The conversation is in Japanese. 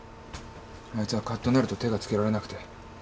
あいつはカッとなると手がつけられなくて。